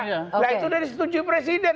nah itu sudah disetujui presiden